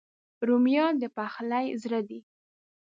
رومیان د پخلي زړه دي